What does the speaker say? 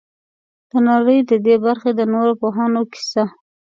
د نړۍ د دې برخې د نورو پوهانو کیسه.